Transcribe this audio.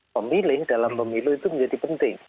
pemilih dalam pemilu itu menjadi penting